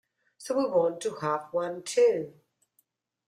So we want to have one, too.